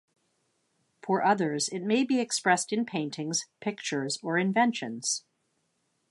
For others, it may be expressed in paintings, pictures, or inventions.